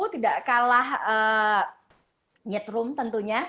tidak kalah nyetrum tentunya